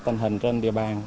tình hình trên địa bàn